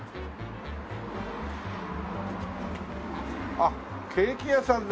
あっケーキ屋さんだ。